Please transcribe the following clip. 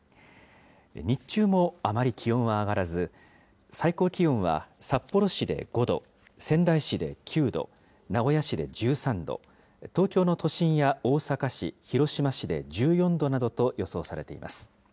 日中もあまり気温は上がらず、最高気温は札幌市で５度、仙台市で９度、名古屋市で１３度、東京の都心や大阪市、広島市で１４度などと予想されています。